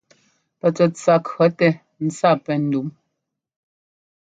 Pɛ tsɛtsa kʉ̈ktɛ́ ntsa pɛ́ ndǔm.